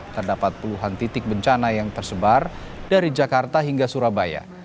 terdapat puluhan titik bencana yang tersebar dari jakarta hingga surabaya